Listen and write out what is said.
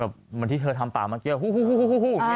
แบบเหมือนที่เธอทำปากเมื่อกี้ฮู้เนี่ย